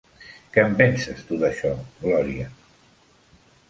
Què en penses tu d'això, Gloria?